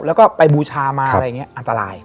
แล้วก็ไปบูชามาอะไรอย่างนี้อันตราย